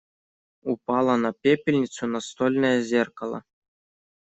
Упало на пепельницу настольное зеркало.